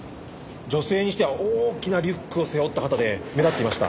女性にしては大きなリュックを背負った方で目立っていました。